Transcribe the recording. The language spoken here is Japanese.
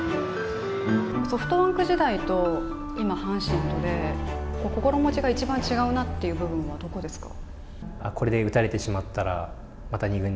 ソフトバンク時代と今、阪神とで心持ちが一番違うなという部分はどこですか？